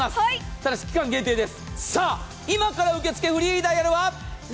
ただし、期間限定です。